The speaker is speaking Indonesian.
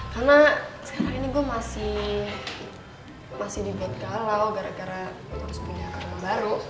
karena sekarang ini gue masih di benkalau gara gara harus pindah ke rumah baru